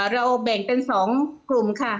เราแบ่งเป็น๒กลุ่มค่ะ